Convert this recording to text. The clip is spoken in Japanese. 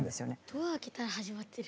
ドア開けたら始まってる。